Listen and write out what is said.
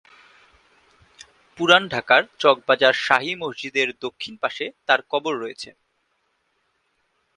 পুরান ঢাকার চকবাজার শাহী মসজিদের দক্ষিণ পাশে তার কবর রয়েছে।